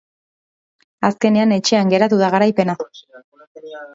Azkenean, etxean geratu da garaipena.